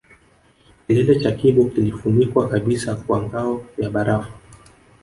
Kilele cha Kibo kilifunikwa kabisa kwa ngao ya barafu